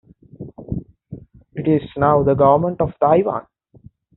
It is now the government of Taiwan.